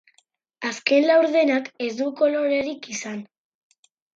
Azken laurdenak ez du kolorerik izan.